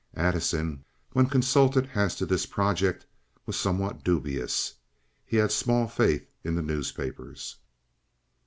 Addison, when consulted as to this project, was somewhat dubious. He had small faith in the newspapers.